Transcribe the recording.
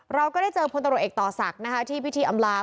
เราก็ได้เจอพตเอกต่อสักที่พิธีอำราบ